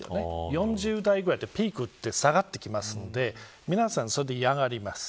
４０代くらいでピークは下がってきますので皆さん、それで嫌がります。